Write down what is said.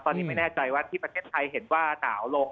ตอนนี้ไม่แน่ใจว่าที่ประเทศไทยเห็นว่าหนาวลง